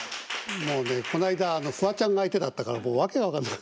もうねこの間フワちゃんが相手だったからもう訳が分かんない。